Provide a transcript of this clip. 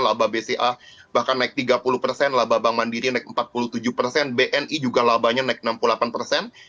laba bca bahkan naik tiga puluh persen laba bank mandiri naik empat puluh tujuh persen bni juga labanya naik enam puluh delapan persen